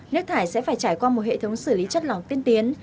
nước thải sẽ phải trải qua một hệ thống xử lý chất lỏng tiên tiến